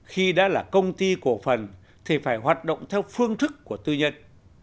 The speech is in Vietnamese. khi đã là công ty cổ phần thì phải hoạt động theo phương thức của tư nhân